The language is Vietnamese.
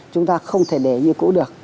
chúng ta không thể để như cũ được